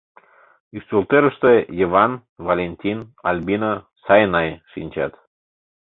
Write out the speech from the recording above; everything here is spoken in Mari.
Ӱстелтӧрыштӧ Йыван, Валентин, Альбина, Сайнай шинчат.